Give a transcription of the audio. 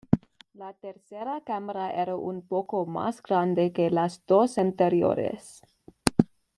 La tercera cámara era un poco más grande que las dos anteriores.